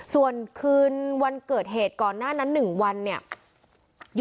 ส่วนคืนวันเกิดเหตุก่อนหน้านั้น๑วันเนี่ย